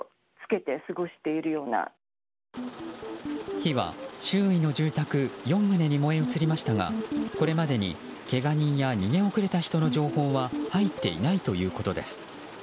火は周囲の住宅４棟に燃え移りましたがこれまでに、けが人や逃げ遅れた人の情報は入っていないということです。